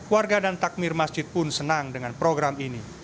warga dan takmir masjid pun senang dengan program ini